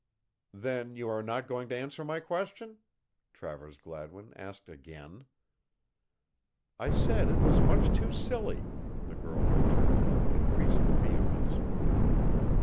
"Then you are not going to answer my question?" Travers Gladwin asked again. "I said it was much too silly," the girl returned with increasing vehemence.